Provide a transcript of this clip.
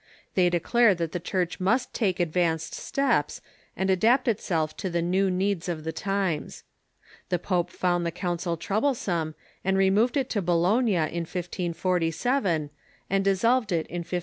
They declared that the Church ^must take advanced steps, and adapt itself to the new needs of the times. The pope found the council trouble some, and removed it to Bologna in 1547, and dissolved it in 1549.